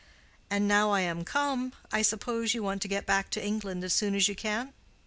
And now I am come, I suppose you want to get back to England as soon as you can?"